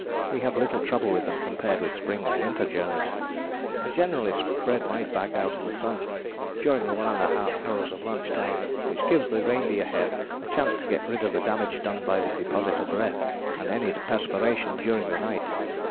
We have little trouble with them compared with spring and winter journeys. I generally spread my bag out in the sun during the 1½ hours of lunch time, which gives the reindeer hair a chance to get rid of the damage done by the deposit of breath and any perspiration during the night."